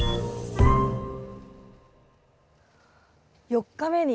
４日目に。